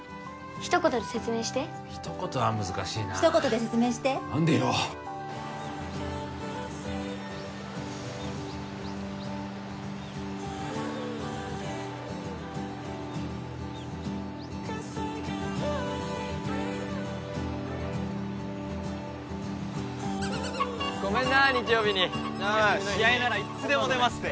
一言で説明して一言は難しいな一言で説明して何でよごめんな日曜日に試合ならいつでも出ますて